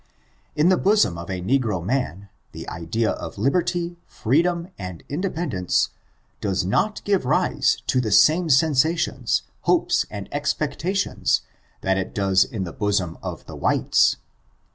In the bosom of a negro man, the idea of liberty, freedom and independence, does not give rise to the same sensaHons, hopes, and expectations, that it does in the bosom of the whites.